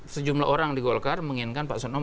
sejumlah orang di golkar menginginkan pak sono